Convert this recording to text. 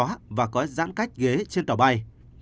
không phải giãn cách ghế trên tàu bay